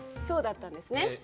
そうだったんですね。